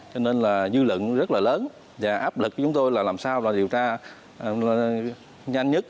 cho nên là dư luận rất là lớn và áp lực cho chúng tôi là làm sao điều tra nhanh nhất